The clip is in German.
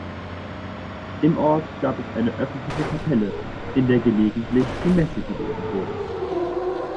Im Ort gab es eine öffentliche Kapelle, in der gelegentliche die Messe gelesen wurde.